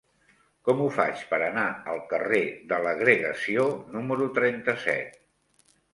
Com ho faig per anar al carrer de l'Agregació número trenta-set?